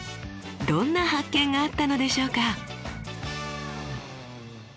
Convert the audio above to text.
どんな発見があったのでしょうか。